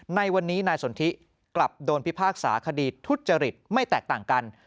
ในวันนี้นายสนทิกลับโดนพิพากษาคดีทุจริตไม่แตกต่างกัน